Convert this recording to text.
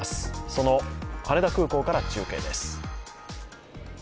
その羽田空港から中継です。